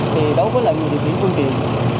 thì đối với lại người địa chỉ quân truyền